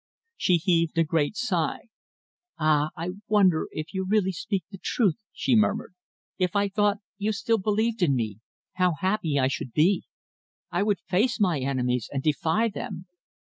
She heaved a great sigh. "Ah! I wonder if you really speak the truth?" she murmured. "If I thought you still believed in me, how happy I should be. I would face my enemies, and defy them."